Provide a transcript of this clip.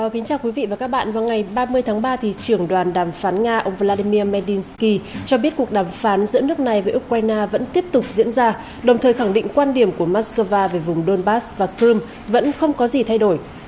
kính chào quý vị và các bạn vào ngày ba mươi tháng ba trưởng đoàn đàm phán nga ông vladimir melsky cho biết cuộc đàm phán giữa nước này với ukraine vẫn tiếp tục diễn ra đồng thời khẳng định quan điểm của moscow về vùng donbass và crimea vẫn không có gì thay đổi